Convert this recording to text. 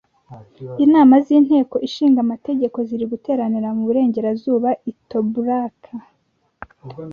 Inama z’Inteko Inshinga Amategeko ziri guteranira mu Burengerazuba i Tobruk